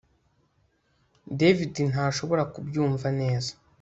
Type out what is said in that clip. David ntashobora kubyumva neza